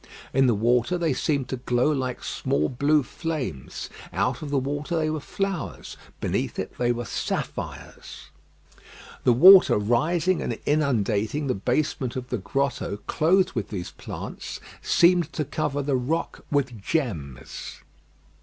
In the water they seemed to glow like small blue flames. Out of the water they were flowers; beneath it they were sapphires. The water rising and inundating the basement of the grotto clothed with these plants, seemed to cover the rock with gems.